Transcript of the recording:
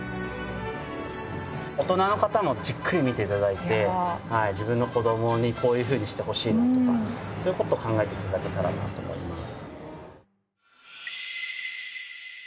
大人の方もじっくり見て頂いて自分の子どもにこういうふうにしてほしいなとかそういう事を考えて頂けたらなと思います。